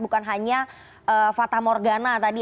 bukan hanya fatah morgana tadi